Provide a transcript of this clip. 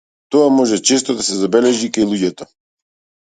Тоа може често да се забележи и кај луѓето.